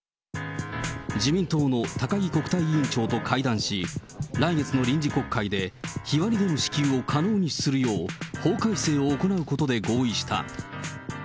自民党の高木国対委員長と会談し、来月の臨時国会で日割りでの支給を可能にするよう、法改正を行うことで合意した。